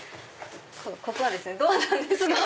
ここはですねドアなんですよ。